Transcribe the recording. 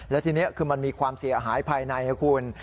และทีนี้คือมันมีความเสียหายภายในครับคุณ